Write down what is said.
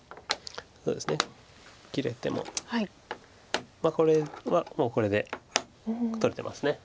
そうですね切れてもこれはもうこれで取れてます。